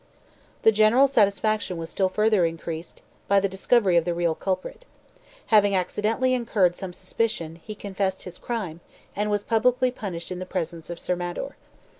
The general satisfaction was still further increased by the discovery of the real culprit. Having accidentally incurred some suspicion, he confessed his crime, and was publicly punished in the presence of Sir Mador.